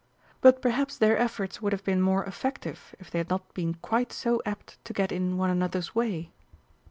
But perhaps their efforts would have been more effective if they had not been quite so apt to get in one another's way.